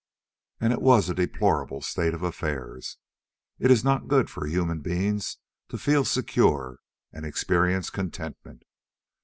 And it was a deplorable state of affairs. It is not good for human beings to feel secure and experience contentment.